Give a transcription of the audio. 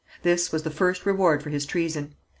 This was the first reward for his treason.